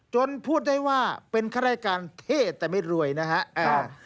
พูดได้ว่าเป็นข้ารายการเท่แต่ไม่รวยนะครับ